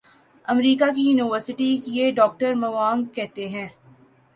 امریکہ کی یونیورسٹی کیے ڈاکٹر موانگ کہتے ہیں